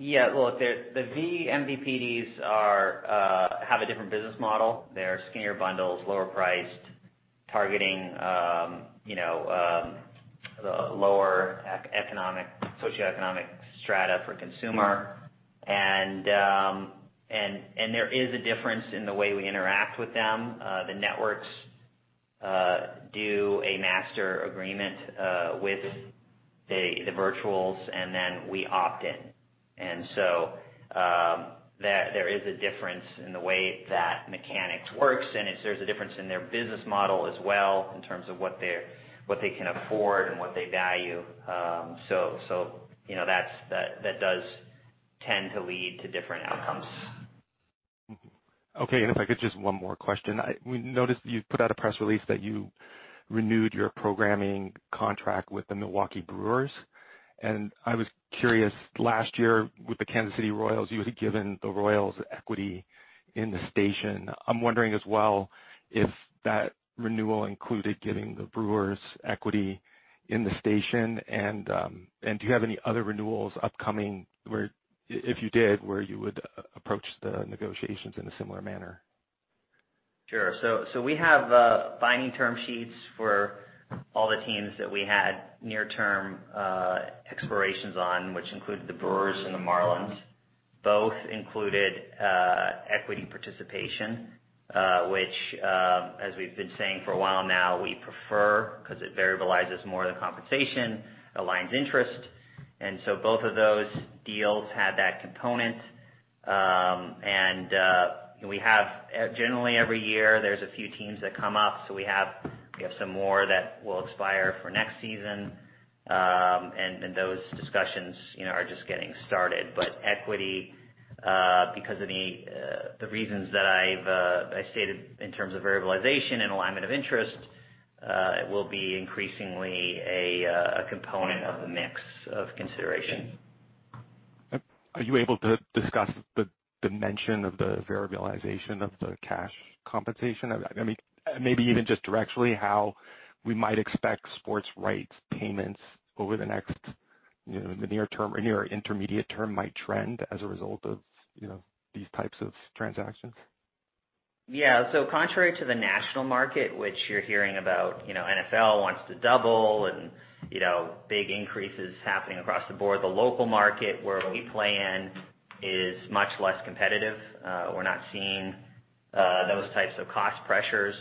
Yeah. Look, the vMVPDs have a different business model. They're skinnier bundles, lower priced, targeting the lower socioeconomic strata for consumer. There is a difference in the way we interact with them. The networks do a master agreement with the virtuals, then we opt in. There is a difference in the way that mechanic works, and there's a difference in their business model as well, in terms of what they can afford and what they value. That does tend to lead to different outcomes. Mm-hmm. Okay. If I could, just one more question. We noticed you put out a press release that you renewed your programming contract with the Milwaukee Brewers. I was curious, last year with the Kansas City Royals, you had given the Royals equity in the station. I'm wondering as well if that renewal included giving the Brewers equity in the station, and do you have any other renewals upcoming, where if you did, where you would approach the negotiations in a similar manner? Sure. We have binding term sheets for all the teams that we had near-term expirations on, which included the Brewers and the Marlins. Both included equity participation, which, as we've been saying for a while now, we prefer because it variabilizes more of the compensation, aligns interest, and so both of those deals had that component. We have, generally every year, there's a few teams that come up. We have some more that will expire for next season. Those discussions are just getting started. Equity, because of the reasons that I stated in terms of variabilization and alignment of interest, it will be increasingly a component of the mix of consideration. Are you able to discuss the dimension of the variabilization of the cash compensation? Maybe even just directionally, how we might expect sports rights payments over the near term or intermediate term might trend as a result of these types of transactions? Yeah. Contrary to the national market, which you're hearing about NFL wants to double and big increases happening across the board, the local market, where we play in, is much less competitive. We're not seeing those types of cost pressures.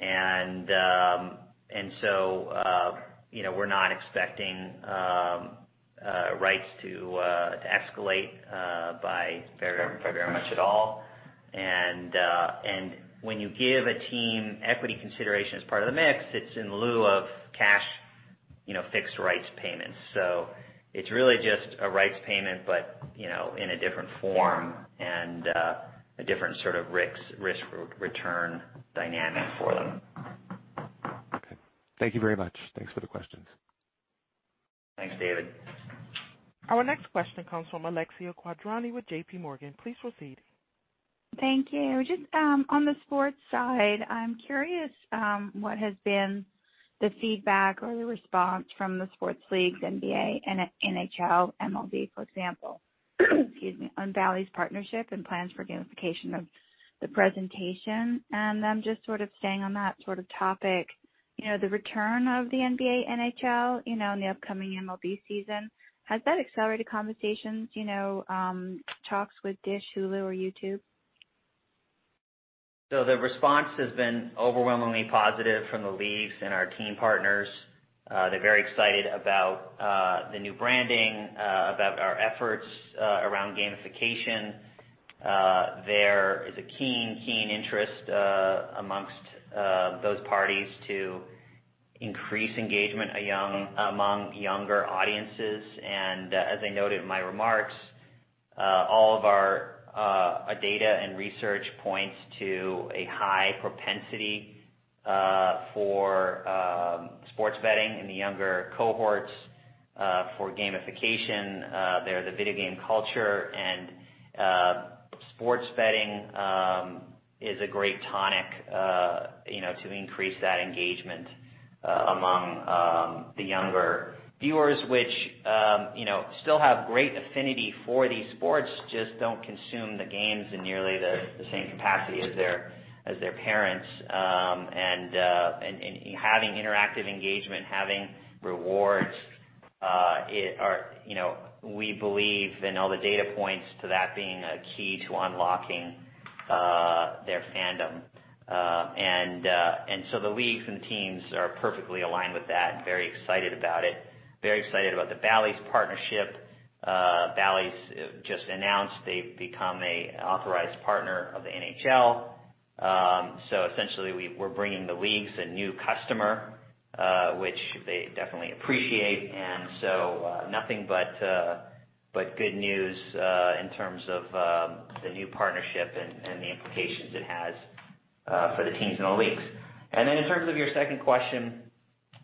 We're not expecting rights to escalate by very much at all. When you give a team equity consideration as part of the mix, it's in lieu of cash fixed rights payments. It's really just a rights payment, but in a different form and a different sort of risk-return dynamic for them. Okay. Thank you very much. Thanks for the questions. Thanks, David. Our next question comes from Alexia Quadrani with JPMorgan. Please proceed. Thank you. On the sports side, I'm curious what has been the feedback or the response from the sports leagues, NBA, NHL, MLB, for example, on Bally's partnership and plans for gamification of the presentation. Just sort of staying on that sort of topic, the return of the NBA, NHL, and the upcoming MLB season, has that accelerated conversations, talks with DISH, Hulu, or YouTube? The response has been overwhelmingly positive from the leagues and our team partners. They're very excited about the new branding, about our efforts around gamification. There is a keen interest amongst those parties to increase engagement among younger audiences. As I noted in my remarks, all of our data and research points to a high propensity for sports betting in the younger cohorts for gamification. They're the video game culture, and sports betting is a great tonic to increase that engagement among the younger viewers, which still have great affinity for these sports, just don't consume the games in nearly the same capacity as their parents. In having interactive engagement, having rewards, we believe, and all the data points to that being a key to unlocking their fandom. The leagues and teams are perfectly aligned with that and very excited about it. Very excited about the Bally's partnership. Bally's just announced they've become an authorized partner of the NHL. Essentially, we're bringing the leagues a new customer, which they definitely appreciate. Nothing but good news in terms of the new partnership and the implications it has for the teams and the leagues. In terms of your second question,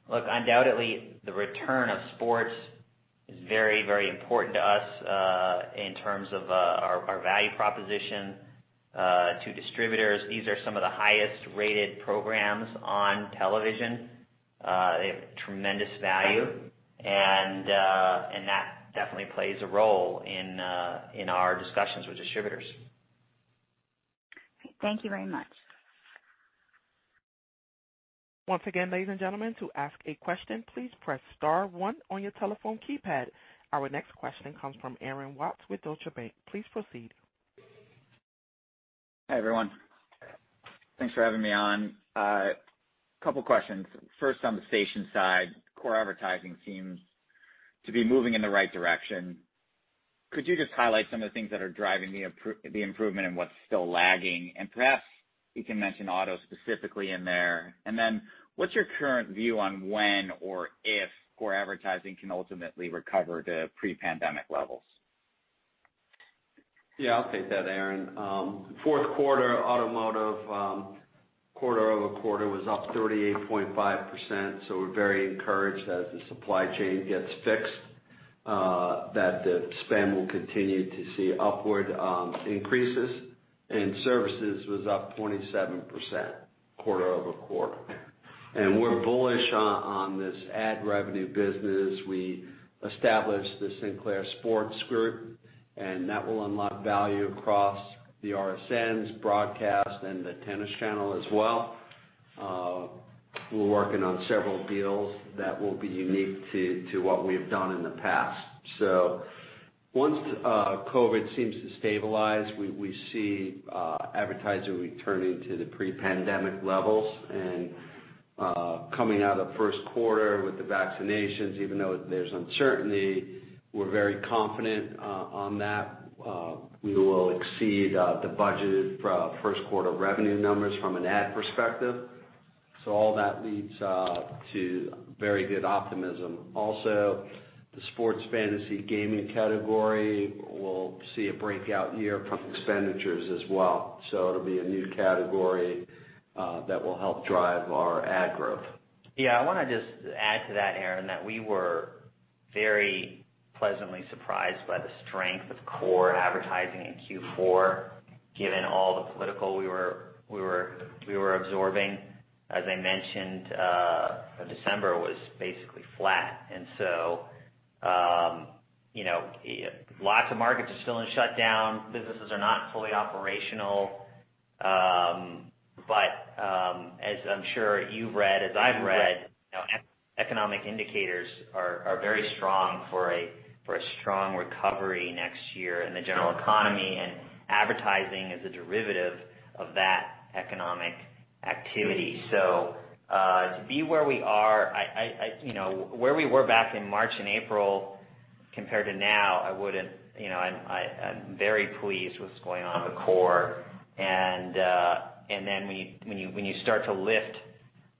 look, undoubtedly, the return of sports is very important to us in terms of our value proposition to distributors. These are some of the highest-rated programs on television. They have tremendous value, and that definitely plays a role in our discussions with distributors. Thank you very much. Once again ladies and getlemen, to ask a question, please press star one on your telephone keypad. Our next question comes from Aaron Watts with Deutsche Bank. Please proceed. Hi, everyone. Thanks for having me on. Couple questions. First, on the station side, core advertising seems to be moving in the right direction. Could you just highlight some of the things that are driving the improvement and what's still lagging? Perhaps you can mention auto specifically in there. What's your current view on when or if core advertising can ultimately recover to pre-pandemic levels? Yeah, I'll take that, Aaron. Fourth quarter automotive, quarter-over-quarter, was up 38.5%, so we're very encouraged that the supply chain gets fixed, that the spend will continue to see upward increases. Services was up 27% quarter-over-quarter. We're bullish on this ad revenue business. We established the Sinclair Sports Group, and that will unlock value across the RSNs broadcast and the Tennis Channel as well. We're working on several deals that will be unique to what we've done in the past. Once COVID seems to stabilize, we see advertising returning to the pre-pandemic levels and coming out of first quarter with the vaccinations, even though there's uncertainty, we're very confident on that. We will exceed the budgeted first quarter revenue numbers from an ad perspective. All that leads to very good optimism. Also, the sports fantasy gaming category will see a breakout year from expenditures as well. It'll be a new category that will help drive our ad growth. Yeah. I want to just add to that, Aaron, that we were very pleasantly surprised by the strength of core advertising in Q4, given all the political we were absorbing. As I mentioned, December was basically flat. Lots of markets are still in shutdown. Businesses are not fully operational. As I'm sure you've read, as I've read, economic indicators are very strong for a strong recovery next year in the general economy, and advertising is a derivative of that economic activity. To be where we are, where we were back in March and April compared to now, I'm very pleased with what's going on in the core. When you start to lift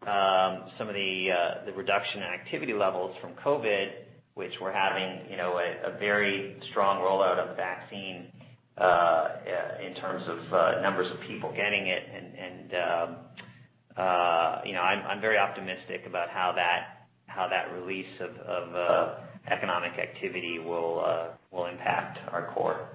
some of the reduction in activity levels from COVID, which we're having a very strong rollout of the vaccine, in terms of numbers of people getting it, and I'm very optimistic about how that release of economic activity will impact our core.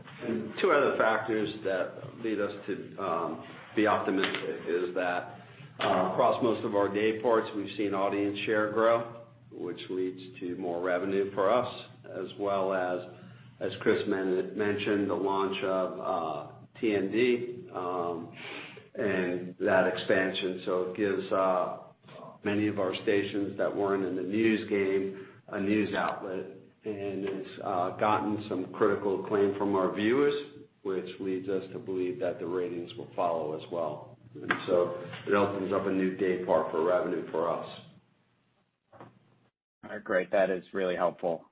Two other factors that lead us to be optimistic is that across most of our day parts, we've seen audience share grow, which leads to more revenue for us, as well as Chris mentioned, the launch of TND, and that expansion. It gives many of our stations that weren't in the news game a news outlet, and it's gotten some critical acclaim from our viewers, which leads us to believe that the ratings will follow as well. It opens up a new day part for revenue for us. All right, great. That is really helpful.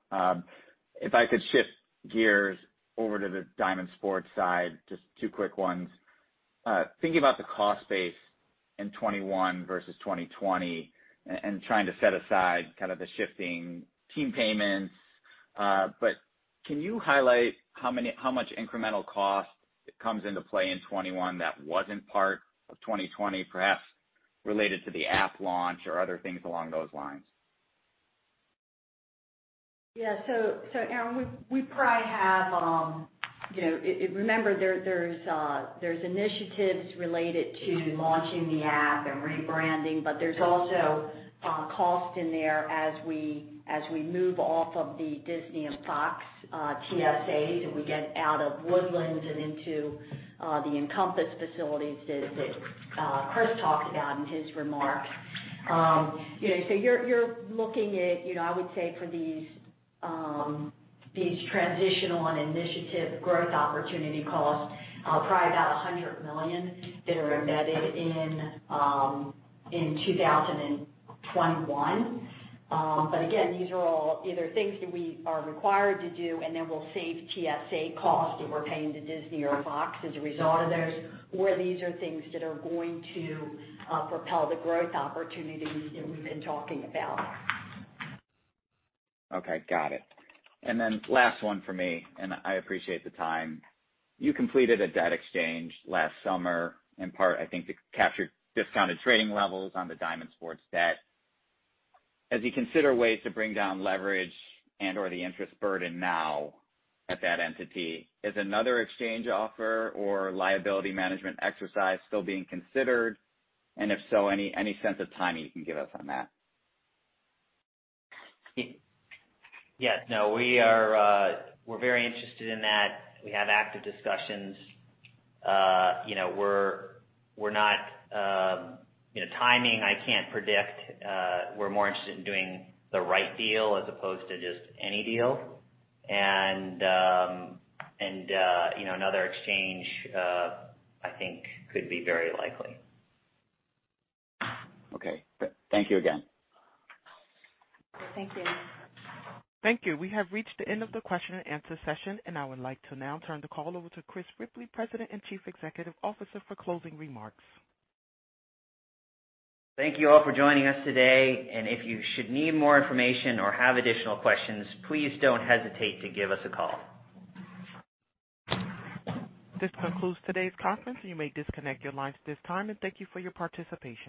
If I could shift gears over to the Diamond Sports side, just two quick ones. Thinking about the cost base in 2021 versus 2020 and trying to set aside kind of the shifting team payments. Can you highlight how much incremental cost comes into play in 2021 that wasn't part of 2020, perhaps related to the app launch or other things along those lines? Aaron, we probably have Remember, there's initiatives related to launching the app and rebranding, but there's also cost in there as we move off of the Disney and Fox TSAs and we get out of The Woodlands and into the Encompass facilities that Chris talked about in his remarks. You're looking at, I would say for these transitional and initiative growth opportunity costs, probably about $100 million that are embedded in 2021. Again, these are all either things that we are required to do and then we'll save TSA costs that we're paying to Disney or Fox as a result of those, or these are things that are going to propel the growth opportunities that we've been talking about. Okay, got it. Last one from me, and I appreciate the time. You completed a debt exchange last summer, in part, I think, to capture discounted trading levels on the Diamond Sports debt. As you consider ways to bring down leverage and/or the interest burden now at that entity, is another exchange offer or liability management exercise still being considered? If so, any sense of timing you can give us on that? Yes. No, we're very interested in that. We have active discussions. Timing, I can't predict. We're more interested in doing the right deal as opposed to just any deal. Another exchange, I think, could be very likely. Okay. Thank you again. Thank you. Thank you. We have reached the end of the question-and-answer session, and I would like to now turn the call over to Chris Ripley, President and Chief Executive Officer, for closing remarks. Thank you all for joining us today, and if you should need more information or have additional questions, please don't hesitate to give us a call. This concludes today's conference. You may disconnect your lines at this time, and thank you for your participation.